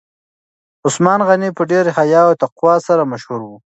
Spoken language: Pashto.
عثمان غني په ډیر حیا او تقوا سره مشهور و.